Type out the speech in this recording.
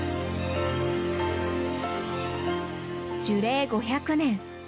樹齢５００年。